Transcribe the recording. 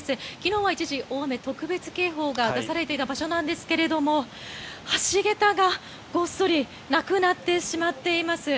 昨日は一時、大雨特別警報が出されていた場所なんですが橋桁が、ごっそりなくなってしまっています。